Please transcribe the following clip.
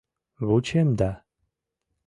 — Вучем да...